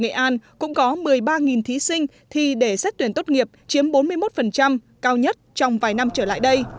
nghệ an cũng có một mươi ba thí sinh thi để xét tuyển tốt nghiệp chiếm bốn mươi một cao nhất trong vài năm trở lại đây